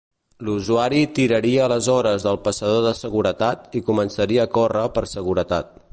L'usuari tiraria aleshores del passador de seguretat i començaria a córrer per seguretat.